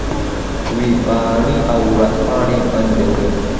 وېبپاڼې او ورځپاڼې بندوي.